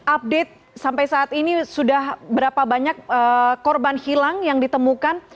update sampai saat ini sudah berapa banyak korban hilang yang ditemukan